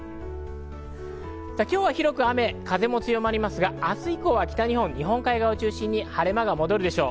今日は広く雨・風も強まりますが明日以降は北日本、日本海側を中心に晴れ間が戻るでしょう。